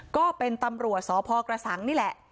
ก็เป็นตำรวจสพกระสังนี่แหละ